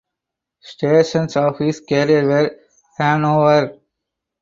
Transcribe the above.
Stations of his career were Hannover.